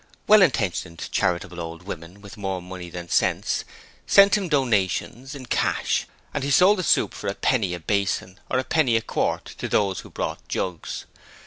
Well intentioned, charitable old women with more money than sense sent him donations in cash, and he sold the soup for a penny a basin or a penny a quart to those who brought jugs.